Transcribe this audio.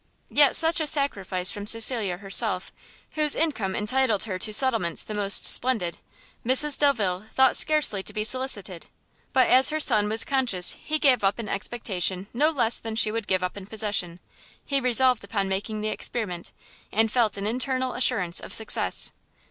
Yet such a sacrifice from Cecilia herself, whose income intitled her to settlements the most splendid, Mrs Delvile thought scarcely to be solicited; but as her son was conscious he gave up in expectation no less than she would give up in possession, he resolved upon making the experiment, and felt an internal assurance of success.